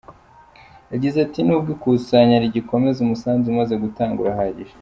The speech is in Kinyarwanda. Yagize ati ”Nubwo ikusanya rigikomeza, umusanzu umaze gutangwa urahagije“.